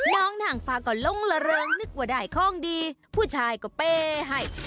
นางฟ้าก็ลงละเริงนึกว่าได้ของดีผู้ชายก็เป้ให้